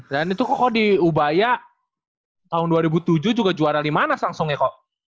dan itu kok di ubaya tahun dua ribu tujuh juga juara limanas langsung ya kok